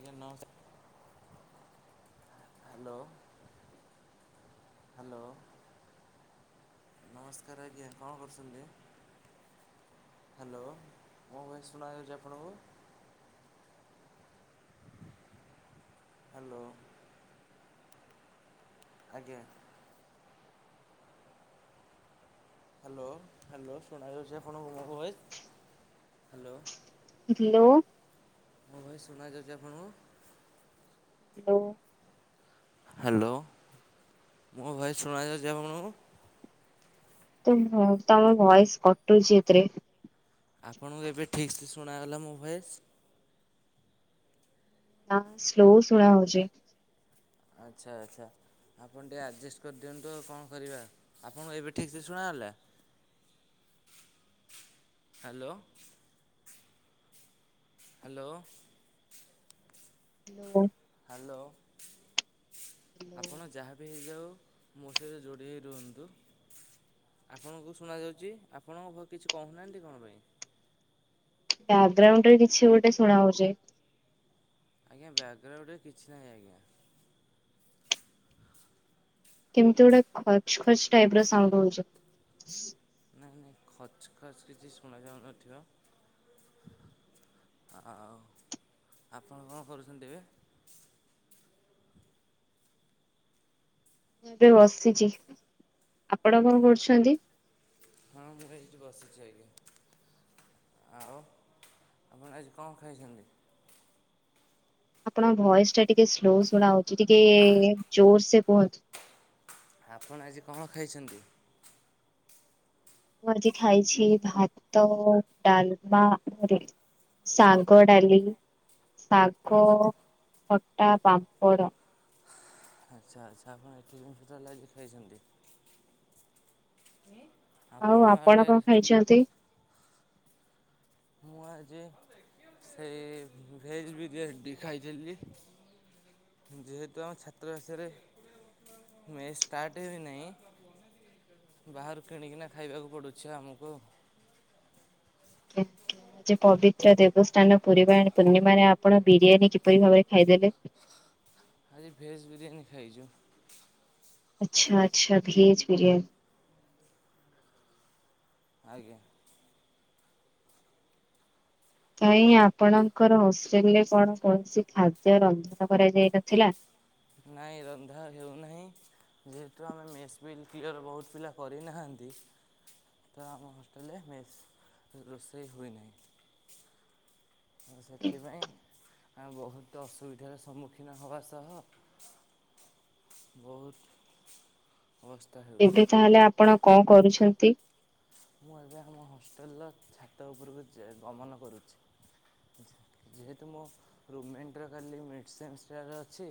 ଆଜ୍ଞା ନମସ୍କାର। Hello hello. ନମସ୍କାର ଆଜ୍ଞା। କଣ କରୁଛନ୍ତି? ହ୍ୟାଲୋ, ମୋ ଭଏସ ଶୁଣାଯାଉଛି ଆପଣଙ୍କୁ? ହ୍ୟାଲୋ। ଆଜ୍ଞା। ହ୍ୟାଲୋ ହ୍ୟାଲୋ ଶୁଣାଯାଉଛି ଆପଣକୁ ମୋ ଭଏସ? ହ୍ୟାଲୋ। ହ୍ୟାଲୋ। ମୋ ଭଏସ ଶୁଣାଯାଉଛି ଆପଣଙ୍କୁ? ହ୍ୟାଲୋ। ହ୍ୟାଲୋ। ମୋ ଭଏସ ଶୁଣାଯାଉଛି ଆପଣଙ୍କୁ? ତୁମ୍ଭ ତମ ଭଏସ କଟୁଛି ଏଥିରେ। ଆପଣଙ୍କୁ ଏବେ ଠିକ ସେ ଶୁଣାଗଲା ମୋ ଭଏସ୍? ନା, ସ୍ଲୋ ଶୁଣା ହଉଛି। ଆଚ୍ଛା ଆଚ୍ଛା। ଆପଣ ଟିକେ ଆଡ଼ଜଷ୍ଟ କରିଦିଅନ୍ତୁ ଆଉ କଣ କରିବା? ଆପଣ ଏବେ ଠିକ୍ ସେ ଶୁଣ ଗଲା? ହ୍ୟାଲୋ। ହ୍ୟାଲୋ। ହ୍ୟାଲୋ। ହ୍ୟାଲୋ। ଆପଣ ବ୍ୟାକଗ୍ରାଉଣ୍ଡ ଯାହାବି ହେଇଯାଉ ମୋ ସହିତ ଯୋଡ଼ି ହେଇ ରୁହନ୍ତୁ। ଆପଣଙ୍କୁ ଶୁଣାଯାଉଛି ଆପଣଙ୍କ ଘ କିଛି କହୁନାହାଁନ୍ତି କଣ ପାଇଁ। ବ୍ୟାଗ୍ରାଉଣ୍ଡରେ କିଛି ଗୋଟେ ଶୁଣା ହଉଛି। ଆଜ୍ଞା ବ୍ୟାଗ୍ରାଉଣ୍ଡରେ କିଛି ନାହିଁ ଆଜ୍ଞା। କେମିତି ଗୋଟେ ଖଚ ଖଚ ଟାଇପ ର ସାଉଣ୍ଟ ହଉଛି। ନାଇଁ ନାଇଁ ଖଚ୍ ଖଚ କିଛି ଶୁଣାଯାଉନଥିବ। ଆଉ ଆପଣ କଣ କରୁଛନ୍ତି ଏବେ। ମୁଁ ଏବେ ବସିଛି ଆପଣ କଣ କରୁଛନ୍ତି। ହଁ ମୁଁ ଏଇଠି ବସଛି ଆଜ୍ଞା। ଆଉ ଆପଣ ଆଜି କଣ ଖାଇଛନ୍ତି। ଆପଣଙ୍କ ଭଏସ ଟା ଟିକେ ସ୍ଲୋ ଶୁଣା ହଉଛି ଟିକେ ଜୋର ସେ କୁହନ୍ତୁ। ଆପଣ ଆଜି କଣ ଖାଇଛନ୍ତି ମୁଁ ଆଜି ଖାଇଛି ଭାତ ଡାଲମା ଘରେ ଶାଗ ଡାଲି ଶାଗ ଆଚ୍ଛା ଖଟା ପାମ୍ପଡ଼। ଆଚ୍ଛା ଆଚ୍ଛା ଆପଣ ଏଠି ଜିନିଷ ଟୋଟାଲ ଆଜି ଖାଇଛନ୍ତି। ଆପଣଙ୍କ ଆଡେ ଛନ୍ତି ମୁଁ ଆଜି ସେ ଭେଜ ବିରିଆ ଖାଇଥିଲି। ଯେହେତୁ ଆମ ଛାତ୍ରଭାଷାରେ [unintelligible] ନାହିଁ ବାହାରୁ କିଣିକିନା ଖାଇବାକୁ ପଡ଼ୁଛି ଆମକୁ ଆ ଆଜି ପବିତ୍ର ଦେବସ୍ଥାନ ପୁରୀବା ପୂର୍ଣ୍ଣିମାରେ ଆପଣ ବିରିୟାନୀ କିପରି ଭାବରେ ଖାଇଦେଲେ। ଆଜି ଭେଜ୍ ବିରିୟାନୀ ଖାଇଛୁ। ଆଚ୍ଛା ଆଚ୍ଛା ଭେଜ ବିରିୟାନୀ। ଆଜ୍ଞା କାଇଁ ଆପଣଙ୍କର ହୋଷ୍ଟେଲ ରେ କଣ କୌଣସି ଖାଦ୍ୟ ରନ୍ଧନ କରାଯାଇ ନଥିଲା। ନାଇଁ ରନ୍ଧା ହେଉନାହିଁ। ଯେହେତୁ ଆମେ ମେସ ବିଲ କ୍ଲିୟର ବହୁତ ପିଲା କରିନାହାଁନ୍ତି ତ ଆମ ହୋଷ୍ଟେଲରେ ମେସ୍ ରୋଷେଇ ହୁଏନାହିଁ। ସେଥିପାଇଁ ଆ ବହୁତ ଅସୁବିଧାର ସମ୍ମୁଖୀନ ହବା ସହ ବହୁତ ହେଉଛି ଏବେ ତାହେଲେ ଆପଣ କଣ କରୁଛନ୍ତି। ମୁଁ ଏବେ ଆମ ହଷ୍ଟେଲର ଛାତ ଉପରକୁ ଗମନ କରୁଛି। ଯେହେତୁ ମୋ ରୁମେଣ୍ଟର କାଲି ମେଡ଼ିସିନ୍ସଟାର ଅଛି।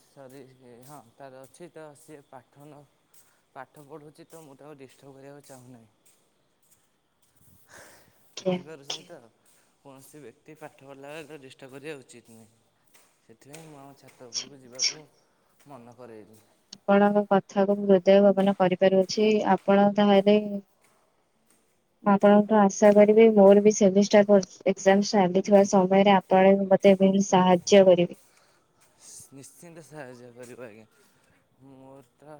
ସରି ହଁ ତାର ଅଛି ତ ସିଏ ପାଠ ପାଠ ପଢୁଛି ତ ମୁଁ ତ ଡିଷ୍ଟର୍ବ କରିବାକୁ ଚାହୁଁନାହିଁ ଆଜ୍ଞା ବୁଝିପାରୁଛନ୍ତି ଆଜ୍ଞା ତ କୌଣସି ବ୍ୟକ୍ତି ପାଠ ପଢ଼ିଲା ବେଳେ ତାକୁ ଡ଼ିଷ୍ଟର୍ବ କରିବା ଉଚିତ୍ ନୁହେଁ। ସେଥିପାଇଁ ମୁଁ ଆମ ଛାତ ଆଚ୍ଛା ଉପରକୁ ଆଚ୍ଛା। ଯିବାକୁ ମନ କରଇଲି। ଆପଣଙ୍କ କଥାକୁ ହୃଦୟ ଭବନ କରିପାରୁଅଛି ଆପଣ ତାହଲେ ମୁଁ ଆପଣଙ୍କୁୁ ଆଶା କରିବି ମୋର ବି ସେମିଷ୍ଟାର ଏକ୍ଜାମ ଚାଲିଥିବା ସମୟରେ ଆ ଳ ମତେ ବି ସାହାଯ୍ୟ କରିବି। ନିଶ୍ଚିନ୍ତ ସାହାଯ୍ୟ କରିବି ଆଜ୍ଞା ମୋର ତ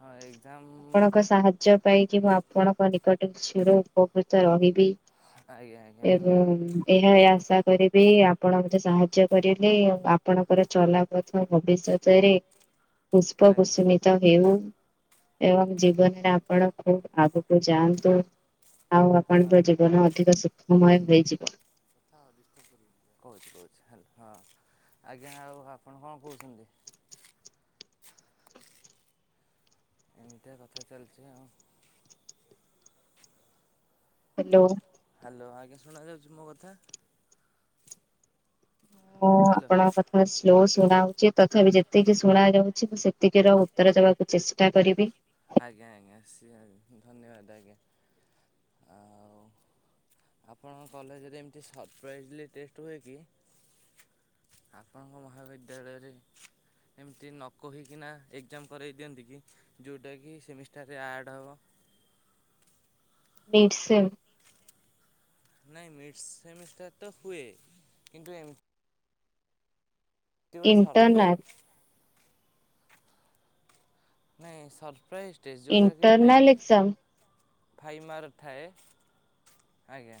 ହଁ ଏକ୍ଜାମ ଆପଣଙ୍କ ସାହାଯ୍ୟ ପାଇକି ମୁଁ ଆପଣଙ୍କ ନିକଟରେ ଚ଼ିର ଉପକୃତ ରହିବି। ଆଜ୍ଞା ଆଜ୍ଞା ଏ ଧନ୍ୟବାଦ [unintelligible] ଏହା ଆଶା କରିବି ଆପଣ ମତେ ସାହାଯ୍ୟ କରିଲେ ଆପଣଙ୍କର ଚଲା ଭବିଷ୍ୟତରେ ପୁଷ୍ପ ଆଜ୍ଞା କୁସୁମିତ ହେଉ ଏବଂ ଜୀବନରେ ଆପଣ ଖୁବ ଆଗକୁ ଯାଆନ୍ତୁ। ଆଉ ହଁ ଆପଣଙ୍କ ଜୀବନ ଅଧିକ ସୁଖମୟ ହେଇଯିବ। ହଁ। କହୁଚି କହୁଚି ହ୍ୟାଲୋ ହଁ ଆଜ୍ଞା ଆଉ ଆପଣ କଣ କହୁଚନ୍ତି? ଏମିତିଆ କଥା ଚାଲିଚି ଆଉ। ହ୍ୟାଲୋ। ହ୍ୟାଲୋ ଆଜ୍ଞା ଶୁଣା ଯାଉଚି ମୋ କଥା? ହଁ ହ୍ୟାଲୋ ଆପଣଙ୍କ କଥା ସୁ ସ୍ଲୋ ଶୁଣାଉଚି ତଥାପି ଯେତିକି ଶୁଣା ଯାଉଚି ମୁଁ ସେତିକି ର ଉତ୍ତର ଦେବାକୁ ଚେଷ୍ଟା କରିବି। ଆଜ୍ଞା ଆଜ୍ଞା ସେ ଧନ୍ୟବାଦ ଆଜ୍ଞା। ଆଉ। ଆପଣଙ୍କ କଲେଜରେ ଏମିତି ସରପ୍ରାଇଜଲି ଟେଷ୍ଟ ହୁଏ କି? ଆପଣଙ୍କ ମହାବିଦ୍ୟାଳୟରେ ଏମିତି ନ କହିକିନା ଏକ୍ଜାମ କରାଇ ଦିଅନ୍ତି କି ଯୋଉଟାକି ସେମିଷ୍ଟାରରେ ଆଡ଼୍ ହବ। Mid sem. ନାଇଁ ମିଡସ୍ ସେମିଷ୍ଟାର ତ ହୁଏ କିନ୍ତୁ ଏମ ତି ଗୋଟେ ଇଣ୍ଟରନାଲ ସରପ୍ରାଇଜ୍। ନାଇଁ ସରପ୍ରାଇଜଟେ ଜୋଉଟା କି ଇଣ୍ଟରନାଲ ଏକ୍ଜାମ ଫାଇମ ଫାଇ ମାର୍ ଥାଏ ଆଜ୍ଞା।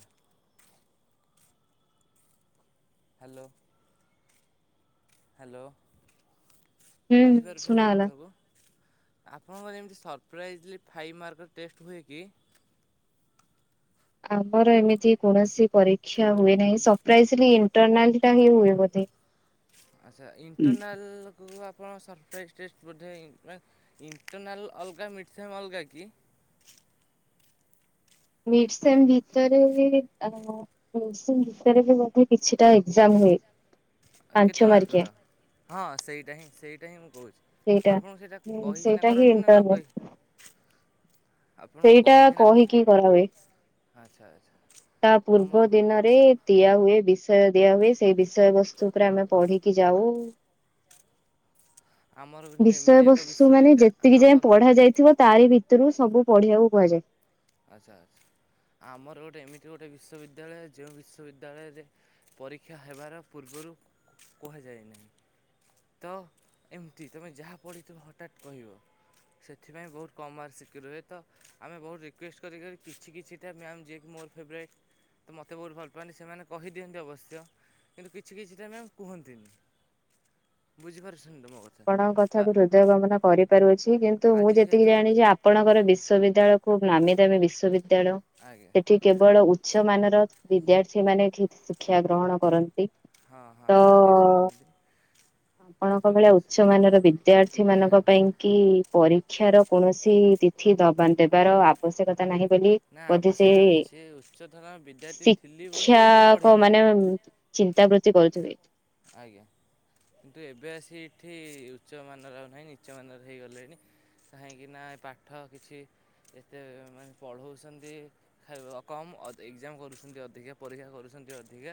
ହ୍ୟାଲୋ। ହ୍ୟାଲୋ ହୁଁ ବୁଝିପାରୁଥିବେ ମୋ ଶୁଣାଗଲା। କଥାକୁ। ଆପଣଙ୍କର ଯେମିତି ସରପ୍ରାଇଜଲି ଫାଇମ୍ ମାର୍କର ଟେଷ୍ଟ ହୁଏ କି? ଆମର ଏମିତି କୌଣସି ପରୀକ୍ଷା ହୁଏ ନାହିଁ ସରପ୍ରାଇଜଲି ଇଣ୍ଟରନାଲ ହି ହୁଏ ବୋଧେ ଆଚ୍ଛା ଇଣ୍ଟରନାଲ୍ କୁ ଆପଣ ସରପ୍ରାଇଜ୍ ଟେଷ୍ଟ ବୋଧେ ଇଣ୍ଟର୍ନାଲ୍ ଅଲଗା ମିଡ଼୍ ସେମ୍ ଅଲଗା କି? ମିଡ଼ସେମ୍ ଭିତରେ ହୁଏ ଅଁ ମିଡ଼୍‌ସେମ୍ ଭିତରେବି ବୋଧେ କିଛିଟା ଏଜାମ ହୁଏ। କେତେ ପାଞ୍ଚ ମାର୍କିଆ ମାର୍କର? ହଁ ସେଇଟା ହିଁ ସେଇଟା ହିଁ ମୁଁ କହୁଚି ସେଇଟା। ଆପଣଙ୍କୁ ସେଇଟା ହୁଁ କହିକିନା ସେଇଟା ହିଁ କରନ୍ତି ନା ନ ଇଣ୍ଟରନାଲ କହିକି। ସେଇଟା କହିକିନା କହିକି କରା ହୁଏ। ଆଚ୍ଛା ଆଚ୍ଛା। ତା ଆମ ପୂର୍ବ ଦିନ ଦିଆ ହୁଏ ବିଷୟ ଦିଆ ହୁଏ ସେଇ ବିଷୟ ବସ୍ତୁ ଉପରେ ଆମେ ପଢିକି ଯାଉ। [unintelligible] କିନ୍ତୁ ବିଷୟ ଏମିତି ଏକ ବସ୍ତୁ ମାନେ ବିଶ୍ୱବିଦ୍ୟା ଯେତିକି ଆମ ଯାଏଁ ପଢା ଯାଇଥିବ। ତାରି ଭିତରୁ ସବୁ ପଢିବାକୁ କୁହାଯାଏ। ଆଚ୍ଛା ଆଚ୍ଛା ଆମର ଗୋଟେ ଏମିତି ଗୋଟେ ବିଶ୍ୱବିଦ୍ୟାଳୟ ଯେଉଁ ବିଶ୍ୱବିଦ୍ୟାଳୟରେ ପରୀକ୍ଷା ହେବାର ପୂର୍ବରୁ କୁହାଯାଏ ନାହିଁ। ତ ଏମିତି ତୁମେ ଯାହା ପଢ଼ିଥିବ ହଟାତ୍ କହିବ। ସେଥିପାଇଁ ବହୁତ କମ୍ ମାର୍କ ଶିଖି ରୁହେ ତ ଆମେ ବହୁତ ରିକ୍ୱେଷ୍ଟ କରିକ କିଛି କିଛି ଟା ମ୍ୟାଆମ ଜିଏକି ମୋର ଫେଭରାଟ୍। ତ ମୋତେ ବହୁତ ଭଲ ପାଆନି ସେମାନେ କହିଦିଅନ୍ତି ଅବଶ୍ୟ କିନ୍ତୁ କିଛି କିଛିଟା ମ୍ୟାମ୍ କୁହନ୍ତିନି। ବୁଝିପାରୁଛନ୍ତିୁ ତ ମୋ କଥା। ଆପଣଙ୍କ ତ କଥାକୁ ହୃଦୟ ଗମନ କରିପାରୁଅଛି କିନ୍ତୁ ମୁଁ ଆଜି ଯେତିକି ଯେହେତୁ ଜାଣିଛି ଆ ଆପଣଙ୍କର ବିଶ୍ୱବିଦ୍ୟାୟ କୁ ନାମୀ ଦାମୀ ବିଶ୍ୱବିଦ୍ୟାଳୟ। ଆଜ୍ଞା। ଏଠି କେବଳ ଉଚ୍ଚ ମାନର ବିଦ୍ୟାର୍ଥୀ ମାନେ ଶିକ୍ଷା ଗ୍ରହଣ କରନ୍ତି। ହଁ ହଁ ତ ଆପଣ ଠିକ୍ ଶୁଣୁଚନ୍ତି ଆପଣଙ୍କ କିନ୍ତୁ। [unintelligible] ମାନର ବିଦ୍ୟାର୍ଥୀ ମାନଙ୍କ ପାଇଁ କି ପରୀକ୍ଷାର କୌଣସି ତିଥି ଦବାଣ୍ଟେ ଦେବାର ଆବଶ୍ୟକତା ନାହିଁ ବୋଲି ନା ବୋଧେ ଅବଶ୍ୟ ସେ ଅଛି ଉଚ୍ଚତର ବିଦ୍ୟାର୍ଥୀ ଶି ଥିଲି ବୋଲି କ୍ଷା ଏଠି କ ପଢ଼ିଲି ମାନେ ଚିନ୍ତା ବୃତ୍ତି କରୁଥିବେ। ଆଜ୍ଞା। କିନ୍ତୁ ଏବେ ଆସି ଏଠି ଉଚ୍ଚମାନର ଆଉ ନାହିଁ ନିଚ ମାନର ହେଇଗଲେଣି। କାହିଁକି ନା ଏ ପାଠ କିଛି ଏତେ ମାନେ ପଢ଼ଉଛନ୍ତି। ଖାଇବା କମ୍ ଏକ୍ଜାମ କରୁଛନ୍ତି ଅଧିକା ପରୀକ୍ଷା କରୁଛନ୍ତି ଅଧିକା।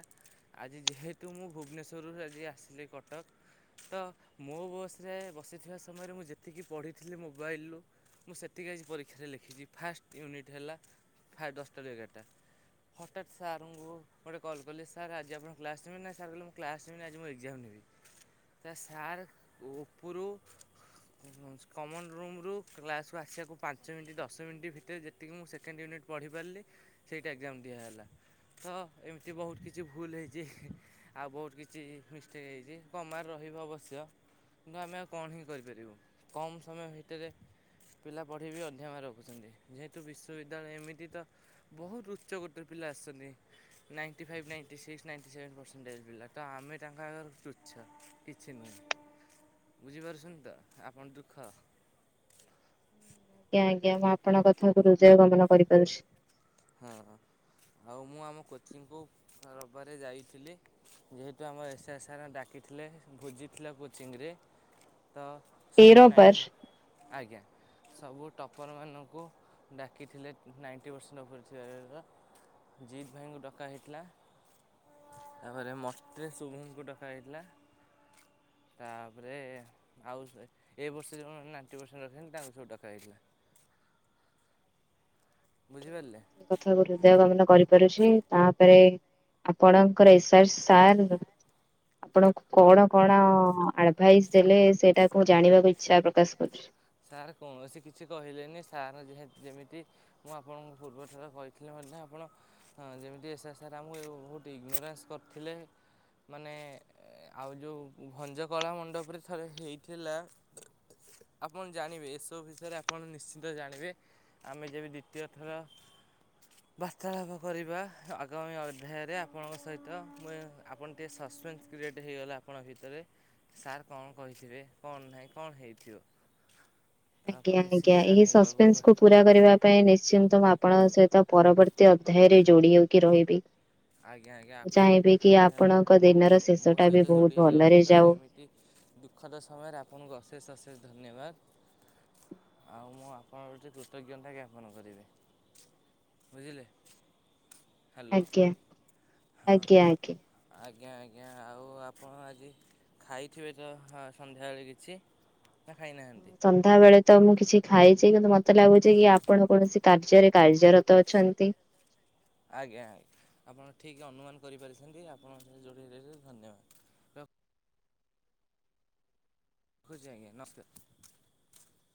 ଆଜି ଯେହେତୁ ମୁଁ ଭୁବନେଶ୍ୱରରୁ ଆଜି ଆସିଲି କଟକ ତ ମୋ ବୟସ୍ରରେ ବସିଥିବା ସମୟରେ ମୁଁ ଯେତିକି ପଢ଼ିଥିଲି ମୋବାଇଲରୁ ମୁଁ ସେତିକି ଆଜି ପରୀକ୍ଷାରେ ଲେଖିଛି ଫାଷ୍ଟ ୟୁନିଟ୍ ହେଲା ଦଶଟାରୁ ଏଗାରଟା। ହଠାତ୍ ସାର୍ଙ୍କୁ ଗୋଟେ କଲ୍ କଲି ସାର୍ ଆଜି ଆପଣ କ୍ଲାସ୍ ଟିମେଟ ନାହିଁ ସାର୍ କହିଲେ ମୁଁ କ୍ଲାସ୍ରେମ ଆଜି ମୁଁ ଏକ୍ଜାମ ନେବି ତା ସାର୍ ଉପରୁ କମନ ରୁମ୍ରୁ କ୍ଲାସ୍କୁ ଆସିବାକୁ ପାଞ୍ଚ ମିନିଟ୍ ଦଶ ମିନିଟ୍ ଭିତରେ ଯେତ ସେତିକି ମୁଁ ସେକେଣ୍ଡ ୟନିଟ୍ଢ଼ିପାରିଲି ସେଇଟା ଏକ୍ଜାମ ଦିଆ ହେଲା। ହଁ ଏମିତି ବହୁତ କିଛି ଭୁଲ ହେଇଛି। ଆଉ ବହୁତ କିଛି ମିଷ୍ଟେକ୍ ହେଇଛି କମାରେ ରହିବ ଅବଶ୍ୟ। କିନ୍ତୁ ଆମେ ଆଉ କଣ ହିଁ କରିପାରିବୁ କମ ସମୟ ଭିତରେ ପିଲା ପଢ଼ି ବିି ଅଧ୍ୟମ ରଖୁଛନ୍ତି ଯେହେତୁ ବିଶ୍ୱବିଦ୍ୟାଳୟ ଏମିତି ତ। ବହୁତ ଉଚ୍ଚ ଗୋଟେ ପିଲା ଆସଛନ୍ତି ninety five ninety six nine seven. ଜିଲା ତ ଆମେ ତାଙ୍କ ଆଗରୁ ଚୁଚଛ କିଛି ନୁହେଁ। ବୁଝିପାରୁଛନ ତ ଆପଣ ଦୁଃଖ। ଆଜ୍ଞା ଆଜ୍ଞା ମୁଁ ଆପଣଙ୍କ କଥା କକୁ ହୃଜୟ ଗମନ କରିପାରୁଛି। ହଁ ଆଉ ମୁଁ ଆମ କୋଚିକୁ ରବବାରେ ଯାଇଥିଲି। ଯେହେତୁ ଆମ ଏସ୍ ଏସ୍ ଆର୍ ଡାକିଥିଲେ ଭୋଜିଥିଲା କୋଚିଂରେ ତ ତେର ସବୁ ବାର ନାଇଣ୍ଟି। ଆଜ୍ଞା ସବୁ ଟପର୍ମାନାନଙ୍କୁ ଡାକିଥିଲେ ନାଇଣ୍ଟି ପରସେଣ୍ଟ ଉପଫରେ ର ଜିତ ଭାଇଙ୍କୁ ଡକା ହେଇଥିଲା ତାପରେ ମଷ୍ଟରେ ଶୁଭଙ୍କୁ ଡକ ଯାଇଥିଲା। ତାପରେ ଆଉ ଏ ବର୍ଷ ଯେଉଁମାନେ ନାଇଣ୍ଟି ପରସେଣ୍ଟ ରଖିଛନ୍ତି ତାଙ୍କୁ ସବୁ ଟଡା ହେଇଥିଲା। ବୁଝିପାରିଲେ। କଥା ହୃଦୟ କାମନ କରିପାରୁଛି ତାପରେ ଆପଣଙ୍କର ଏସର୍ ସାର୍ ଆପଣ କଣ କଣ ଆଡଭାଇସ୍ ଦେଲେ ସେଇଟାକୁ ମୁ ଜାଣିବାକୁ ଇଚ୍ଛା ପ୍ରକାଶ କରୁଛି। ସାର୍ କୌଣସି କିଛି କହିଲେନି ସାର୍ ଯେ ଯେମିତି ମୁଁ ଆପଣଙ୍କୁ ପୂର୍ବ ଠର କହିଥିଲି ମଧ୍ୟ ଆପଣ ହଁ ଯେମିତି ଏସ ସାର୍ ଆମକୁ ବହୁତ ଇଗନୋରାନ୍ସ କରିଥିଲେ ମାନେ ଆଉ ଯେଉଁ ଭଞ୍ଜକଳା ମଣ୍ଡପରେ ଥରେ ହେଇଥିଲା। ଆପଣ ଜାଣିବେ ଏସବୁ ବିଷୟରେ ଆପଣ ନିଶ୍ଚିନ୍ତ ଜାଣିବେ ଆମେ ଯେବେ ଦ୍ୱତୀୟ ଖେଳ ବାର୍ତ୍ତାଳାପ କରିବା ଆଗାମୀ ଅଧ୍ୟାୟରେ ଆପଣଙ୍କ ସହିତ ମୁ ଆପଣ ଟିକଏ ସସ୍ପେନ୍ସ କ୍ରିଏଟ୍ ହେଇଗଲା ଆପଣ ଭିତରେ। ସାର୍ କଣ କହିଥିବେ କଣ ନାହିଁ କଣ ହେଇଥିବ? ତ ଆଜ୍ଞା ଆପଣ ନିଶ୍ଚିନ୍ତ ଆଜ୍ଞା ଏଇ ଜାଣିବାକୁ ସସ୍ପେନ୍ସ ଖୁ ପୁରରା କରିବା ପାଇଁ ନିଶ୍ଚିନ୍ତ ମୁଁ ଆପଣଙ୍କ ସହିତ ପରବର୍ତ୍ତୀ ଅଧ୍ୟାୟରେ ଯୋଡି ହେଉକି ରହିବି। ଆଜ୍ଞା ଆଜ୍ଞା ମୁଁ ଚାହିଁବି କି ଆପଣ ଆପଣଙ୍କ ମୋ ଦିନର ଶେଷ ମୋ ଟା ବି ସହିତ ବହୁତ ଯୋଡ଼ି ହୋଇ ଭଲରେ ରହିଥିବାରୁ ଯାଉ। ଏମିତି ଦୁଃଖଦ ସମୟରେ ଆପଣଙ୍କୁ ଅଶେଷ ଅଶେଷ ଧନ୍ୟବାଦ। ଆଉ ମୁଁ ଆପଣେ କୃତଜ୍ଞତା ଜ୍ଞାପନ କରିବି ବୁଝିଲେ। ହ୍ୟାଲୋ ଆଜ୍ଞା ହଁ। ଆଜ୍ଞା ଆଜ୍ଞା। ଆଜ୍ଞା ଆଜ୍ଞା ଆଉ ଆପଣ ଆଜି ଖାଇଥିବେ ତ ହଁ ସନ୍ଧ୍ୟାବେଳେ କିଛି। ନା ଖାଇନାହାନ୍ତି? ସନ୍ଧ୍ୟା ବେଳେ ତ ମୁଁ କିଛି ଖାଇଛି କିନ୍ତୁ ମତେ ଲାଗୁଛି କି ଆପଣ କୌଣସି କାର୍ଯ୍ୟରେ କାର୍ଯ୍ୟରତ ଅଛନ୍ତି। ଆଜ୍ଞା ଆଜ୍ଞା ଆପଣ ଠିକ୍ ଅନୁମାନ କରିପାରିଛନ୍ତି ଆପଣଙ୍କ ସହିତ ଯୋଡି ହେଇ ରହିଲି ଧନ୍ୟବାଦ। ରହୁଚି ଆଜ୍ଞା ନମସ୍କାର।